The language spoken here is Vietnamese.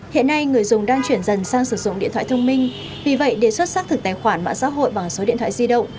hiện nay người dùng đang chuyển dần sang sử dụng điện thoại thông minh vì vậy đề xuất xác thực tài khoản mạng xã hội bằng số điện thoại di động